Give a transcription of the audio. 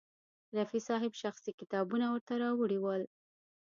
رفیع صاحب شخصي کتابونه ورته راوړي ول.